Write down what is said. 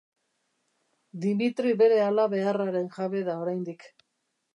Dmitri bere halabeharraren jabe da oraindik.